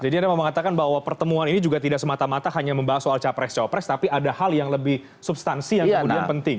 anda mau mengatakan bahwa pertemuan ini juga tidak semata mata hanya membahas soal capres capres tapi ada hal yang lebih substansi yang kemudian penting